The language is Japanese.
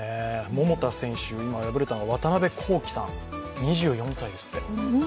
桃田選手、今敗れたのはワタナベコウキさん２４歳ですって。